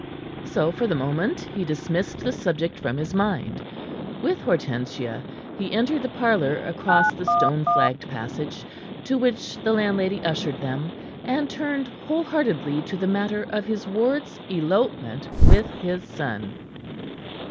So, for the moment, he dismissed the subject from his mind. With Hortensia he entered the parlor across the stone flagged passage, to which the landlady ushered them, and turned whole heartedly to the matter of his ward's elopement with his son.